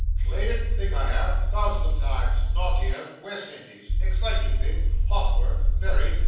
'Played it! Think I have thousands of times not here West Indies exciting thing hot work very.